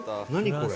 これ。